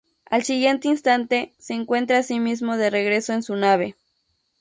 Al siguiente instante, se encuentra a sí mismo de regreso en su nave.